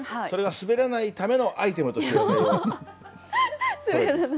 それが滑らないためのアイテムとしてこれを。